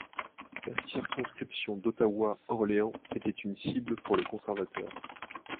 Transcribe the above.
La circonscription d'Ottawa—Orléans était une cible pour les conservateurs.